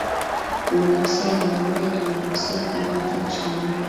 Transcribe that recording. Demokrasia ya Jamuhuri ya Demokrasia ya Kongo yatoa ushahidi